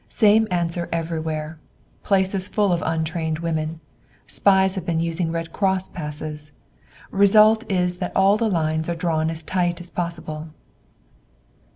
Same answer everywhere. Place is full of untrained women. Spies have been using Red Cross passes. Result is that all the lines are drawn as tight as possible."